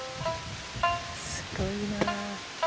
すごいな。